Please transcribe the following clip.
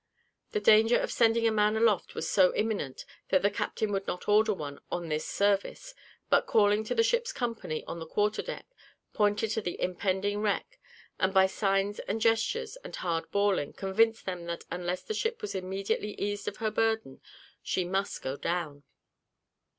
The danger of sending a man aloft was so imminent, that the captain would not order one on this service; but calling the ship's company on the quarter deck, pointed to the impending wreck, and by signs and gestures, and hard bawling, convinced them that unless the ship was immediately eased of her burden, she must go down.